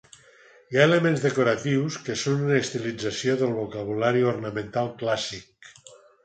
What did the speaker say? Hi ha elements decoratius que són una estilització del vocabulari ornamental clàssic.